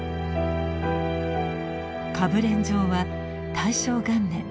歌舞練場は大正元年